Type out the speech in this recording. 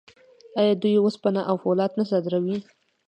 آیا دوی وسپنه او فولاد نه صادروي؟